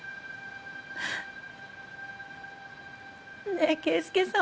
ねえ圭介さん